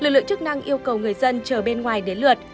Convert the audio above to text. lực lượng chức năng yêu cầu người dân chờ bên ngoài đến lượt